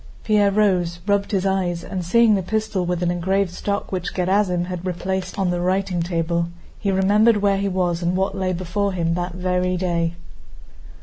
Pierre rose, rubbed his eyes, and seeing the pistol with an engraved stock which Gerásim had replaced on the writing table, he remembered where he was and what lay before him that very day.